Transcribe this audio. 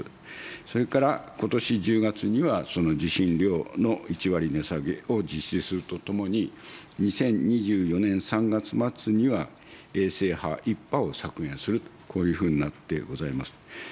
それからことし１０月には、その受信料の１割値下げを実施するとともに、２０２４年３月末には衛星波１波を削減すると、こういうふうになってございます。